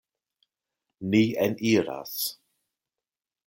Ni eniras.